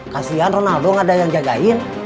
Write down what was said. kasian ronaldo nggak ada yang jagain